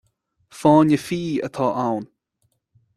Fáinne fí atá ann.